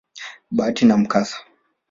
bahati na mkasa.